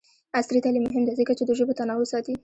عصري تعلیم مهم دی ځکه چې د ژبو تنوع ساتي.